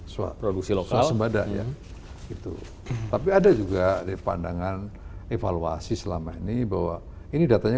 suap produksi lokal sembada ya itu tapi ada juga pandangan evaluasi selama ini bahwa ini datanya